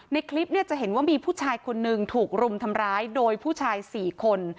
ในคลิปเนี่ยจะเห็นว่ามีผู้ชายคนนึงถูกรุมทำร้ายโดยผู้ชาย๔คน